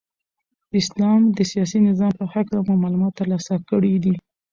د اسلام د سیاسی نظام په هکله مو معلومات ترلاسه کړی دی.